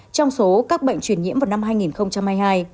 trong số các bệnh truyền nhiễm vào năm hai nghìn hai mươi hai